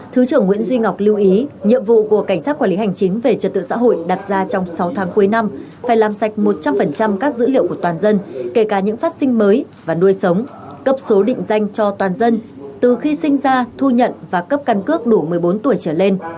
thứ trưởng nguyễn duy ngọc lưu ý nhiệm vụ của cảnh sát quản lý hành chính về trật tự xã hội đặt ra trong sáu tháng cuối năm phải làm sạch một trăm linh các dữ liệu của toàn dân kể cả những phát sinh mới và nuôi sống cấp số định danh cho toàn dân từ khi sinh ra thu nhận và cấp căn cước đủ một mươi bốn tuổi trở lên